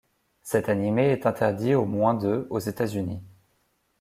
Cet anime est interdit aux moins de aux États-Unis.